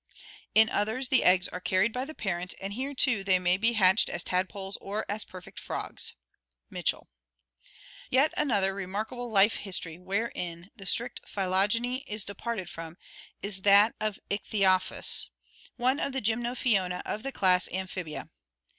In others the eggs are carried by the parent, and here, too, they may be hatched as tadpoles or as perfect frogs " (Mitchell). Yet another remarkable life history wherein the strict phylogeny is departed from is that of Ichthyophys (Fig. 33), one of the Gym nophiona of the class Amphibia.